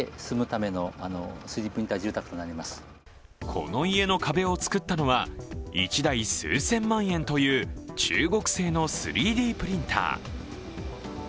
この家の壁をつくったのは１台数千万円という中国製の３Ｄプリンター。